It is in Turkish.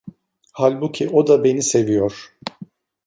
Halbuki o da beni seviyor.